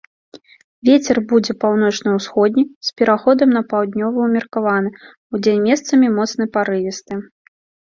Вецер будзе паўночна-ўсходні з пераходам на паўднёвы ўмеркаваны, удзень месцамі моцны парывісты.